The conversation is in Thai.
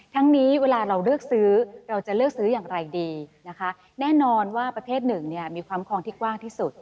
นี้เวลาเราเลือกซื้อเราจะเลือกซื้ออย่างไรดีนะคะแน่นอนว่าประเภทหนึ่งเนี่ยมีความครองที่กว้างที่สุด